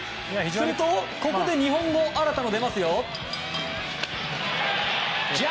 すると、ここで日本語新たに出ますよ。